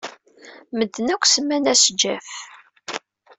Medden akk semman-as Jeff.